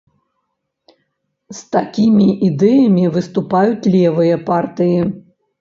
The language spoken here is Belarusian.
З такімі ідэямі выступаюць левыя партыі.